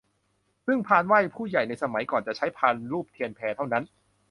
ซึ่งพานไหว้ผู้ใหญ่ในสมัยก่อนจะใช้พานธูปเทียนแพเท่านั้น